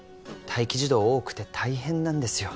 待機児童多くて大変なんですよ